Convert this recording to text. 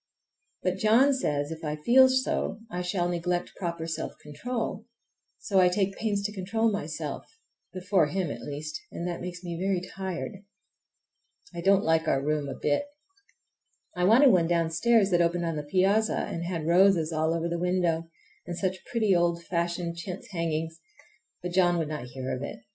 But John says if I feel so I shall neglect proper self control; so I take pains to control myself,—before him, at least,—and that makes me very tired. I don't like our room a bit. I wanted one downstairs that opened on the piazza and had roses all over the window, and such pretty old fashioned chintz hangings! but John would not hear of it.